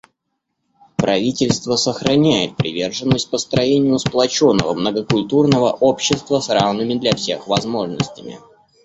Правительство сохраняет приверженность построению сплоченного многокультурного общества с равными для всех возможностями.